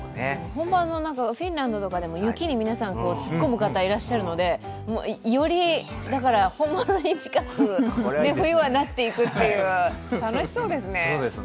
本場のフィンランドなんかでも雪に突っ込む方いらっしゃるのでより本物に近く、冬はなっていくという楽しそうですね。